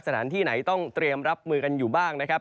สถานที่ไหนต้องเตรียมรับมือกันอยู่บ้างนะครับ